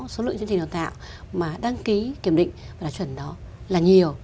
số lượng chương trình đào tạo mà đăng ký kiểm định và đạt chuẩn đó là nhiều